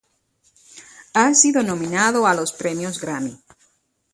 Ha sido nominado a los Premios Grammy.